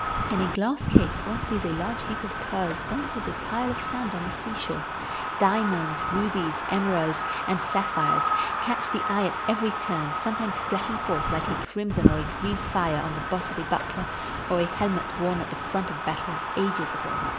In a glass case one sees a large heap of pearls dense as a pile of sand on the seashore. Diamonds, rubies, emeralds, and sapphires catch the eye at every turn, sometimes flash ing forth like a crimson or a green fire on the boss of a buckler or a helmet worn at the front of battle ages ago.